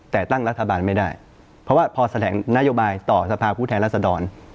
แต่ตั้งรัฐบาลไม่ได้เพราะว่าพอแถลงนโยบายต่อสภาพผู้แทนรัศดร